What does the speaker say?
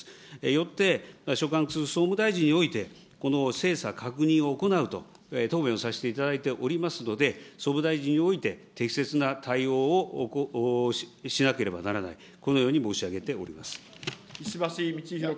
よって、所管する総務大臣において、この精査、確認を行うと答弁をさせていただいておりますので、総務大臣において適切な対応をしなければならない、このように申し上げており石橋通宏君。